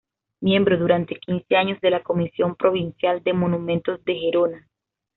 Miembro durante quince años de la Comisión Provincial de Monumentos de Gerona.